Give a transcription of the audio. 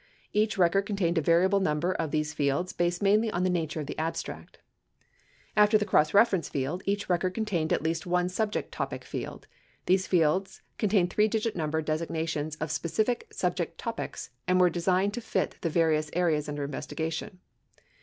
Each record contained a variable number of these fields based mainly on the nature of the abstract. After the cross reference field, each record contained at least one subject topic field. These fields contained three digit number desig nations of specific subject/topics and were designed to fit the various areas under investigation.